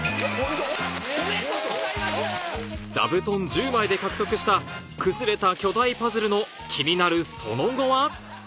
座布団１０枚で獲得した崩れた巨大パズルの気になるその後は？